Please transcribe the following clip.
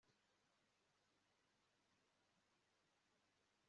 kurura imodoka nto wishimye